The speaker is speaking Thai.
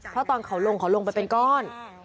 เพราะตอนเขาลงเขาลงไปเป็นก้อน